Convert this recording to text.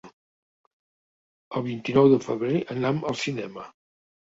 El vint-i-nou de febrer anam al cinema.